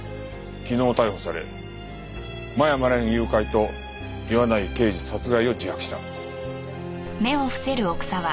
昨日逮捕され間山蓮誘拐と岩内刑事殺害を自白した。